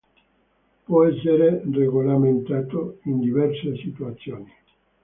Può essere regolamentato in diverse situazioni.